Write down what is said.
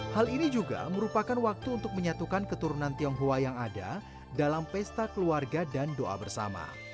hal ini juga merupakan waktu untuk menyatukan keturunan tionghoa yang ada dalam pesta keluarga dan doa bersama